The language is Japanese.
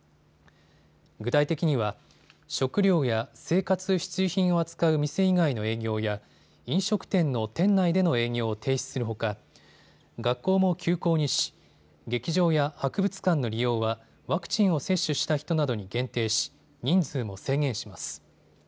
具体的には食料や生活必需品を扱う店以外の営業や飲食店の店内での営業を停止するほか、学校も休校にし劇場や博物館の利用はワクチンを接種した人などに限定し人数も制限します。